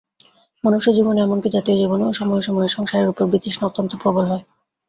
মনুষ্যজীবনে, এমন কি জাতীয় জীবনেও সময়ে সময়ে সংসারের উপর বিতৃষ্ণা অত্যন্ত প্রবল হয়।